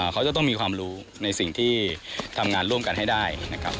เขาจะต้องมีความรู้ในสิ่งที่ทำงานร่วมกันให้ได้นะครับ